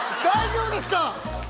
大丈夫ですか？